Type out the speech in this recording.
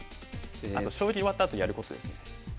あと将棋終わったあとやることですね。